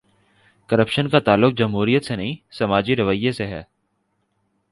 Corruption کا تعلق جمہوریت سے نہیں، سماجی رویے سے ہے۔